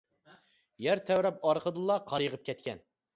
يەر تەۋرەپ ئارقىدىنلا قار يېغىپ كەتكەن.